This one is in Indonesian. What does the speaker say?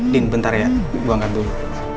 din bentar ya gue angkat dulu